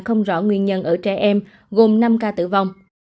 không rõ nguyên nhân ở trẻ em gồm năm ca tử vong